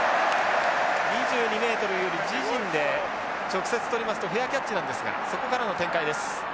２２ｍより自陣で直接捕りますとフェアキャッチなんですがそこからの展開です。